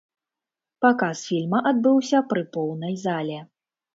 Паказ фільма адбыўся пры поўнай зале.